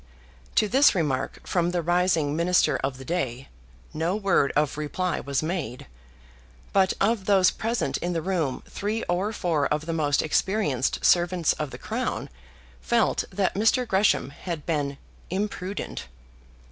To this remark from the rising Minister of the day, no word of reply was made; but of those present in the room three or four of the most experienced servants of the Crown felt that Mr. Gresham had been imprudent.